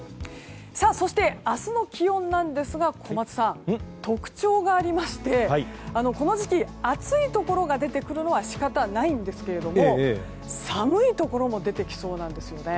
そして、明日の気温なんですが小松さん、特徴がありましてこの時期、暑いところが出てくるのは仕方ないんですが寒いところも出てきそうなんですよね。